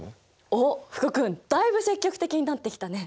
おっ福君だいぶ積極的になってきたね。